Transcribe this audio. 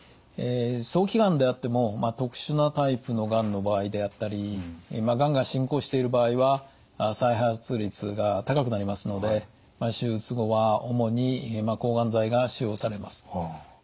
早期がんであっても特殊なタイプのがんの場合であったりがんが進行している場合は再発率が高くなりますので手術後は主に抗がん剤が使用されます。